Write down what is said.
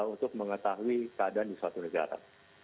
untuk mengetahui keadaan di suatu negara